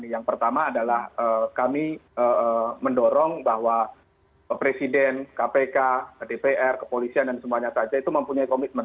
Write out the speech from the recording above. yang pertama adalah kami mendorong bahwa presiden kpk dpr kepolisian dan semuanya saja itu mempunyai komitmen